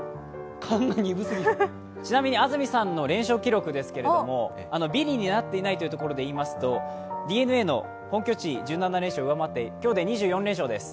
ちなみに安住さんの連勝記録ですけれども、ビリになっていないというところでいいますとＤｅＮＡの本拠地、１７連勝を上回って今日で２４連勝です。